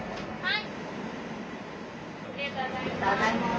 はい。